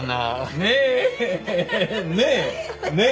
ねえ！ねえ？ねえ？